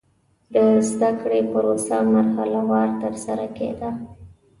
د زده کړې پروسه مرحله وار ترسره کېده.